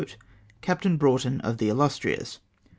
Captain Broughton (of the UJustrious).